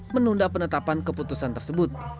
menunda penetapan keputusan tersebut